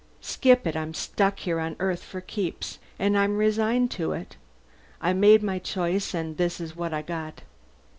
Skip it. I'm stuck here on Earth for keeps, and I'm resigned to it. I made my choice, and this is what I got."